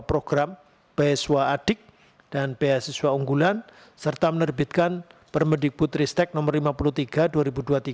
program beasiswa adik dan beasiswa unggulan serta menerbitkan permendikbud ristek nomor lima puluh tiga